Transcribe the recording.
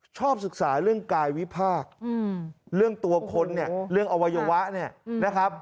ชอบศึกษาเรื่องกายวิพากษ์เรื่องตัวคนเรื่องอวัยวะ